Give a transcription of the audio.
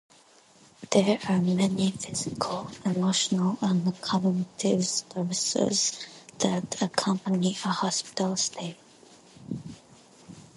There are many physical, emotional, and cognitive stressors that accompany a hospital stay.